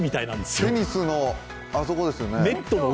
テニスの、あそこですよね、ネットの上。